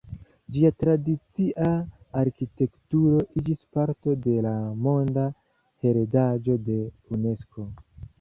Ĝia tradicia arkitekturo iĝis parto de la Monda heredaĵo de Unesko.